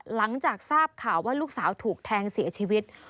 หลังจากทราบข่าวว่าลูกสาวถูกแทงเสียชีวิต